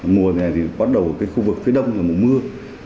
mùa này thì bắt đầu cái khu vực phía đông là mùa mưa